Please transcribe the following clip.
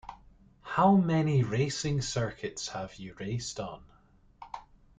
How many racing circuits have you raced on?